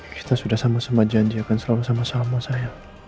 kita sudah sama sama janji akan selalu sama sama saya